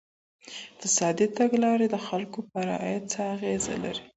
اقتصادي تګلاري د خلګو پر عايد څه اغېز لري؟